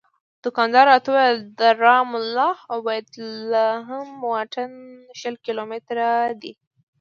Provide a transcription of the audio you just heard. دوکاندار راته وویل د رام الله او بیت لحم واټن شل کیلومتره دی.